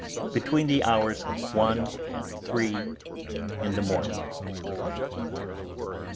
between the hours of one and three in the morning.